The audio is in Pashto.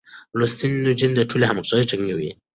لوستې نجونې د ټولنې همغږي ټينګوي.